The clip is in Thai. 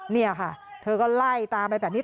นี่ค่ะเธอก็ไล่ตามไปแบบนี้